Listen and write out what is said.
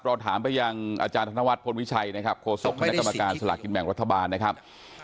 เราถามไปยังอาจารย์ธนวัฒนพลวิชัยนะครับโฆษกคณะกรรมการสลากกินแบ่งรัฐบาลนะครับ